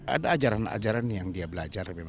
ada ajaran ajaran yang dia belajar